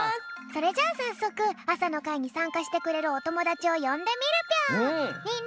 それじゃあさっそくあさのかいにさんかしてくれるおともだちをよんでみるぴょん！